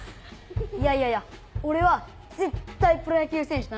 いやいやいや俺は絶対プロ野球選手だな。